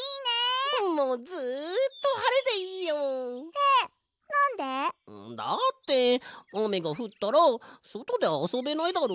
えなんで？だってあめがふったらそとであそべないだろ？